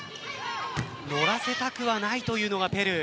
乗らせたくはないというのがペルー。